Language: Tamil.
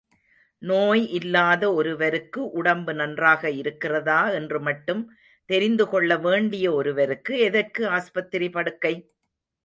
நோய் இல்லாத ஒருவருக்கு, உடம்பு நன்றாக இருக்கிறதா என்று மட்டும் தெரிந்துகொள்ள வேண்டிய ஒருவருக்கு, எதற்கு ஆஸ்பத்திரி படுக்கை?